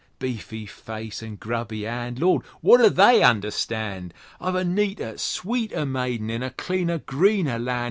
Beefy face an' grubby 'and Law! wot do they understand? I've a neater, sweeter maiden in a cleaner, greener land!